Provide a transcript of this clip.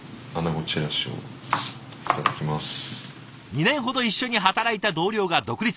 ２年ほど一緒に働いた同僚が独立。